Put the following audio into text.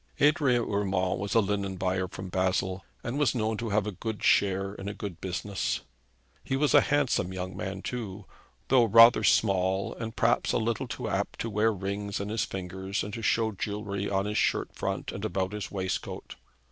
Adrian Urmand was a linen buyer from Basle, and was known to have a good share in a good business. He was a handsome young man too, though rather small, and perhaps a little too apt to wear rings on his fingers and to show jewelry on his shirt front and about his waistcoat.